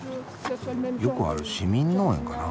よくある市民農園かな？